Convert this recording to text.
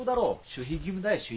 守秘義務。